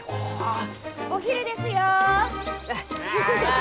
お昼ですよ！